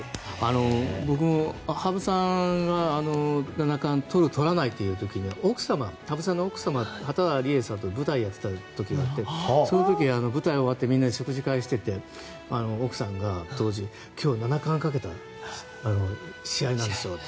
僕も羽生さんが七冠をとるとらないという時に羽生さんの奥様と舞台をやっていてその時、舞台が終わってみんなで食事会をしていて奥さんが当時、七冠をかけた試合が今日あるって。